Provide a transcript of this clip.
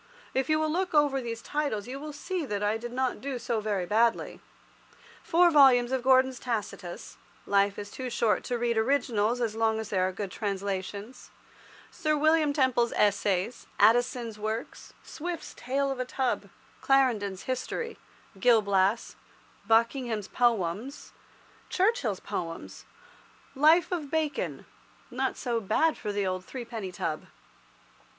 If you will look over these titles, you will see that I did not do so very badly. Four volumes of Gordon's "Tacitus" (life is too short to read originals, so long as there are good translations), Sir William Temple's Essays, Addison's works, Swift's "Tale of a Tub," Clarendon's "History," "Gil Blas," Buckingham's Poems, Churchill's Poems, "Life of Bacon"—not so bad for the old threepenny tub.